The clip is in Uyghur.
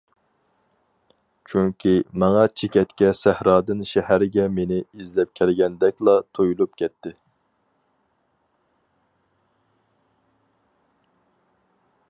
چۈنكى ماڭا چېكەتكە سەھرادىن شەھەرگە مېنى ئىزدەپ كەلگەندەكلا تۇيۇلۇپ كەتتى.